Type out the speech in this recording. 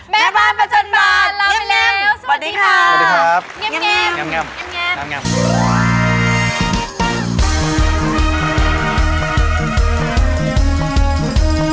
แม่บ้านประจำบานลาไปแล้วสวัสดีค่ะ